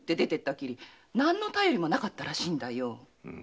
きりなんの便りもなかったらしいんだよ。